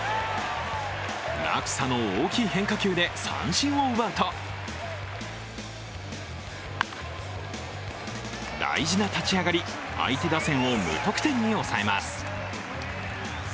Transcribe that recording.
落差の大きい変化球で三振を奪うと大事な立ち上がり相手打線を無得点に抑えます。